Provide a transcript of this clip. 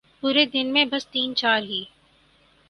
پورے دن میں بس تین چار ہی ۔